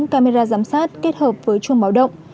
camera giám sát kết hợp với chuông báo động